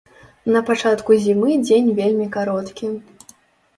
На пачатку зімы дзень вельмі кароткі.